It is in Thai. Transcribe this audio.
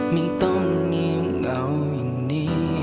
ไม่ต้องงี่มเหงาอย่างนี้